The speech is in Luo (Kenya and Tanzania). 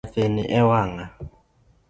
Nyathini e wang'a.